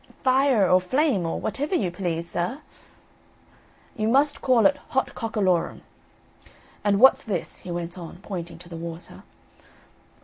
"Fire or flame, or whatever you please, sir." "You must call it 'hot cockalorum,' and what this?" he went on, pointing to the water.